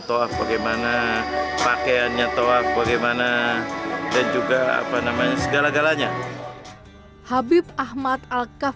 toa bagaimana pakaiannya toa bagaimana dan juga apa namanya segala galanya habib ahmad alkaf